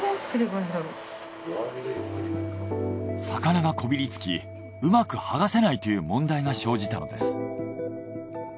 魚がこびりつきうまくはがせないという問題が生じたのです。